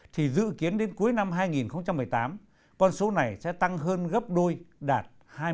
thì dự kiến đến cuối năm hai nghìn một mươi tám con số này sẽ tăng hơn gấp đôi đạt hai mươi